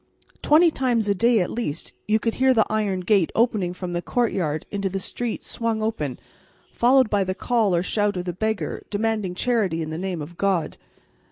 Twenty times a day at least you would hear the iron gate opening from the courtyard into the street swung open, followed by the call or shout of the beggar demanding charity in the name of God.